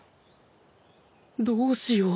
どうしよう。